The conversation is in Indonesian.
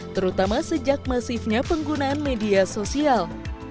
terutama sejak masifnya penggunaan media sosial